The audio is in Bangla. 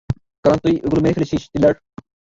কারণ, তুই এগুলো মেরে ফেলেছিস, স্টিফলার।